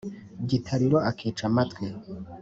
gitariro akica amatwi.